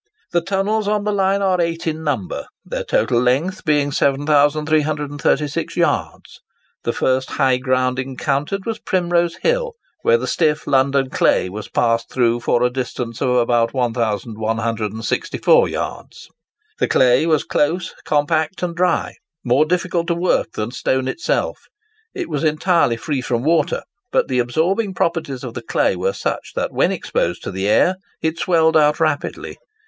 The Tunnels on the line are eight in number, their total length being 7336 yards. The first high ground encountered was Primrose Hill, where the stiff London clay was passed through for a distance of about 1164 yards. The clay was close, compact, and dry, more difficult to work than stone itself. It was entirely free from water; but the absorbing properties of the clay were such that when exposed to the air it swelled out rapidly.